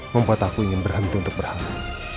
membuat aku ingin berhenti untuk berangkat